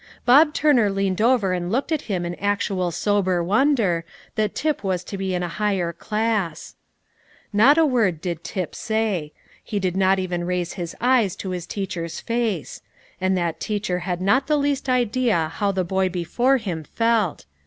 Bob Turner leaned over and looked at him in actual sober wonder, that Tip was to be in a higher class. Not a word did Tip say. He did not even raise his eyes to his teacher's face; and that teacher had not the least idea how the boy before him felt.